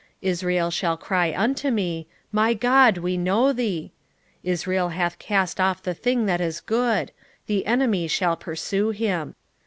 8:2 Israel shall cry unto me, My God, we know thee. 8:3 Israel hath cast off the thing that is good: the enemy shall pursue him.